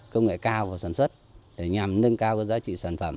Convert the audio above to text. công nghệ cao vào sản xuất để nhằm nâng cao giá trị sản phẩm